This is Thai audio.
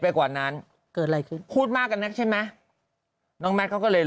กว่านั้นเกิดอะไรขึ้นพูดมากกับนักใช่ไหมน้องแมทเขาก็เลย